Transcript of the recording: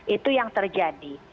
itu yang terjadi